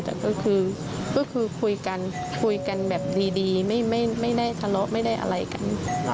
แต่ก็คือคุยกันคุยกันแบบดีไม่ได้ทะเลาะไม่ได้อะไรกัน